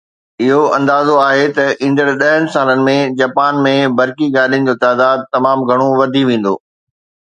اهو اندازو آهي ته ايندڙ ڏهن سالن ۾ جاپان ۾ برقي گاڏين جو تعداد تمام گهڻو وڌي ويندو